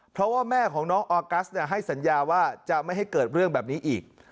เพราะว่าแม่ของน้องออกัสให้สัญญาว่าจะไม่ให้เกิดเรื่องแบบนี้อีก